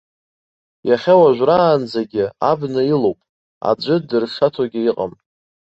Иахьа уажәраанӡагьы абна илоуп, аӡәы дыршаҭогьы иҟам.